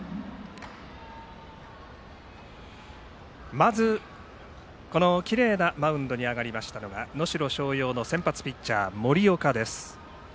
まず、このきれいなマウンドに上がりましたのが能代松陽の先発ピッチャー森岡です。